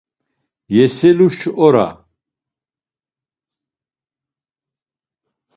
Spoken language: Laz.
Yeseluş ora.